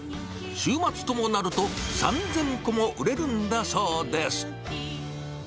週末ともなると、３０００個も売れるんだそうです。